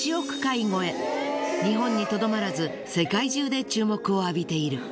日本にとどまらず世界中で注目を浴びている。